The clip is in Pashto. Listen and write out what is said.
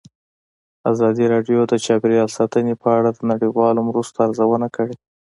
ازادي راډیو د چاپیریال ساتنه په اړه د نړیوالو مرستو ارزونه کړې.